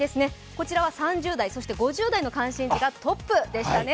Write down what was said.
こちらは３０代、そして５０代の関心事がトップでしたね。